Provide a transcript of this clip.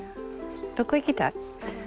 どこ行きたい？